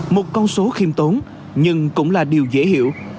một con số khiêm tốn nhưng cũng là điều dễ hiểu